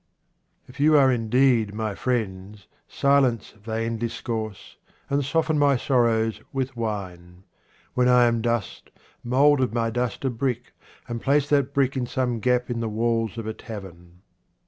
If you are indeed my friends, silence vain discourse, and soften my sorrows with wine. When I am dust, mould of my dust a brick, and place that brick in some gap in the walls of a tavern.